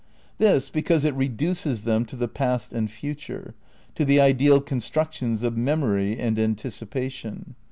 This because it reduces them to the past and future, to the ideal constructions of memory and anticipation.